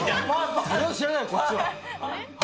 それは知らない、こっちは。